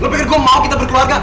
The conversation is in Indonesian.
lo pikir gue mau kita berkeluarga